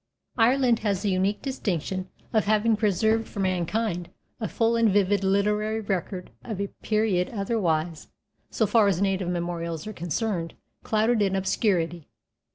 Ireland has the unique distinction of having preserved for mankind a full and vivid literary record of a period otherwise, so far as native memorials are concerned, clouded in obscurity.